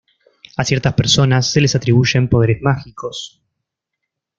A ciertas personas se les atribuyen poderes mágicos.